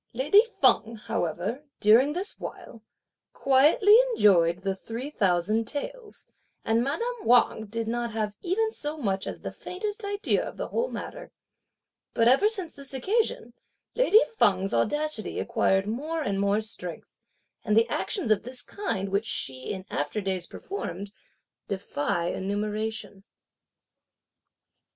Lady Feng, however, during this while, quietly enjoyed the three thousand taels, and madame Wang did not have even so much as the faintest idea of the whole matter. But ever since this occasion, lady Feng's audacity acquired more and more strength; and the actions of this kind, which she, in after days, performed, defy enumeration.